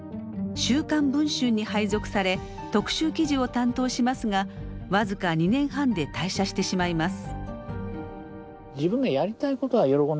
「週刊文春」に配属され特集記事を担当しますが僅か２年半で退社してしまいます。